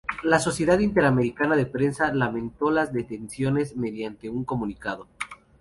La Sociedad Interamericana de Prensa lamentó las detenciones mediante un comunicado.